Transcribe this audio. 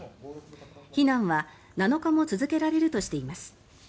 避難は７日も続けられるとしています。